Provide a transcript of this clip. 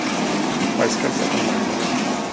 بایسکل ساتنه مهمه ده.